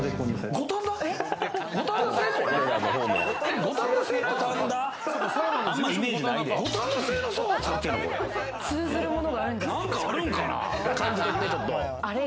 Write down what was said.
五反田製のソファー使ってんの？